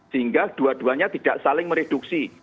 sehingga dua duanya tidak saling mereduksi